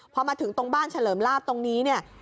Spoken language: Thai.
พอมาถึงตรงบ้านเฉลิมลาบตรงนี้เนี่ย